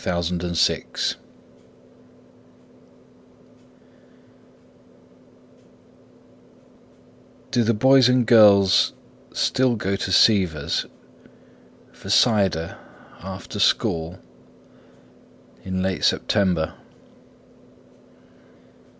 Hare Drummer Do the boys and girls still go to Siever's For cider, after school, in late September?